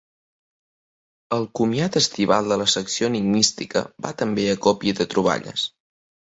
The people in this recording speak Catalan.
El comiat estival de la secció enigmística va també a còpia de troballes.